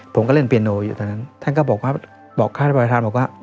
ผมก็เล่นเพียโนอยู่ตอนนั้นท่านก็บอกว่าบอกคราวรัฐบริษัทบอกว่า